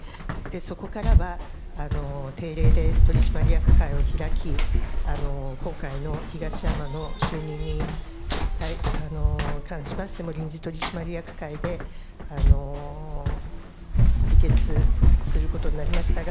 そこからは定例で取締役会を開き今回の東山の就任に関しましても臨時取締役会で議決することになりましたが